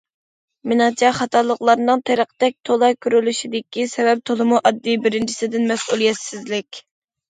مېنىڭچە، خاتالىقلارنىڭ تېرىقتەك تولا كۆرۈلۈشىدىكى سەۋەب تولىمۇ ئاددىي: بىرىنچىسى، مەسئۇلىيەتسىزلىك.